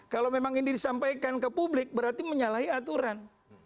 kalau memang ini disampaikan ke publik berarti menyalahi aturan